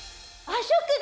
和食！